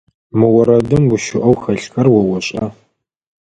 Мы орэдым гущыӏэу хэлъхэр о ошӏа?